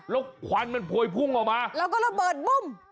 แล้วควันมันโพยพุ่งออกมาแล้วก็ระเบิดบุ้ม